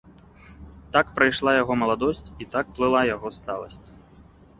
Так прайшла яго маладосць, і так плыла яго сталасць.